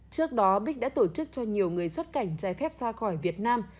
trước đó bích đã tổ chức cho nhiều người xuất cảnh trái phép ra khỏi việt nam